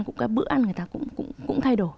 cũng là bữa ăn người ta cũng thay đổi